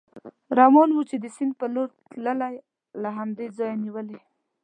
روان و، چې د سیند په لور تلی، له همدې ځایه نېولې.